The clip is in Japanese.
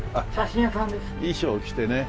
衣装を着てね。